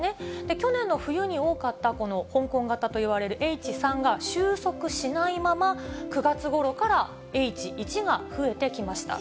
去年の冬に多かったこの香港型といわれるＨ３が収束しないまま、９月ごろからＨ１が増えてきました。